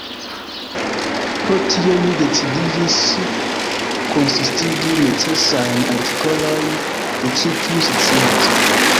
Pro tio mi decidiĝis konsistigi necesajn artikolojn de ĉi tiu scienco.